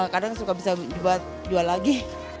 kadang suka bisa jual lagi